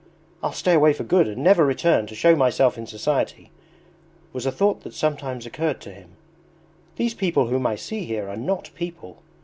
"I'll stay away for good and never return to show myself in society," was a thought that sometimes occurred to him. "These people whom I see here are NOT people.